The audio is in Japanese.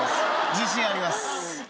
自信あります。